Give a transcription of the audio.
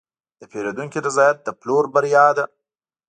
د پیرودونکي رضایت د پلور بریا ده.